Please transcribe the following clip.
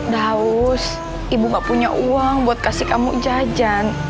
daus ibu gak punya uang buat kasih kamu jajan